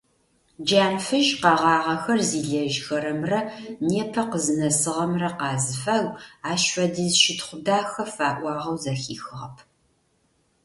Джанфыжь къэгъагъэхэр зилэжьхэрэмрэ непэ къызнэсыгъэмрэ къазыфагу ащ фэдиз щытхъу дахэ фаӏуагъэу зэхихыгъэп.